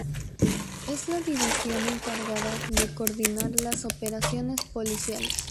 Es la división encargada de coordinar las operaciones policiales.